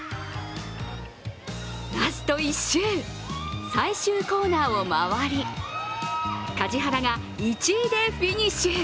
ラスト１周、最終コーナーを回り梶原が１位でフィニッシュ。